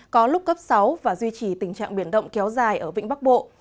có lúc cấp sáu và duy trì tình trạng biển động kéo dài ở vĩnh bắc bộ